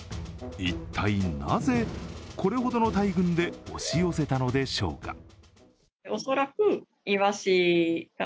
一体、なぜ、これほどの大群で押し寄せたのでしょうか。